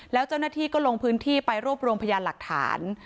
แล้วเจ้าหน้าที่ก็ลงพื้นที่ไปรวบรวมพยานหลักฐาน